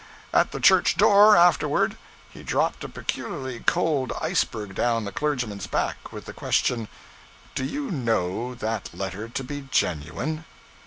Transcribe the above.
At the church door, afterward, he dropped a peculiarly cold iceberg down the clergyman's back with the question 'Do you know that letter to be genuine?'